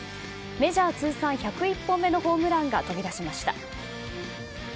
メジャー通算１０１本目のホームランが飛び出しました。